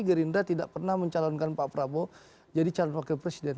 gerindra tidak pernah mencalonkan pak prabowo jadi calon wakil presiden